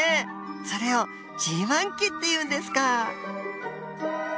それをＧ期っていうんですか。